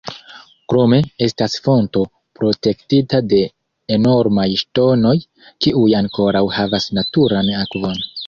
Krome estas fonto protektita de enormaj ŝtonoj, kiuj ankoraŭ havas naturan akvon.